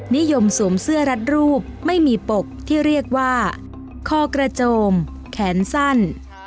นิยมสวมเสื้อรัดรูปไม่มีปกที่เรียกว่าคอกระโจมแขนสั้น